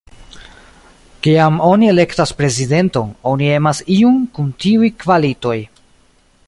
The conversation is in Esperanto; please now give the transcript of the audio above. Kiam oni elektas prezidenton, oni emas iun kun tiuj kvalitoj.